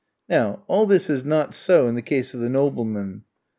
Now all this is not so in the case of the nobleman.